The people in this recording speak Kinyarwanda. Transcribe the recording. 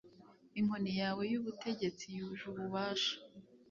Inkoni yawe y’ubutegetsi yuje ububasha